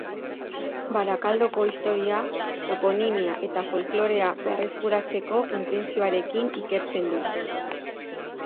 Barakaldoko historia, toponimia eta folklorea berreskuratzeko intentzioarekin ikertzen du